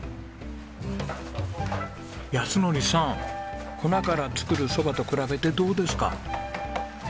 靖典さん粉から作る蕎麦と比べてどうですか？